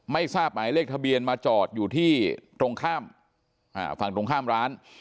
ไม่ทราบหมายเลขทะเบียนมาจอดอยู่ที่ตรงข้ามฝั่งตรงข้ามร้าน